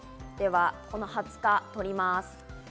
この２０日を取ります。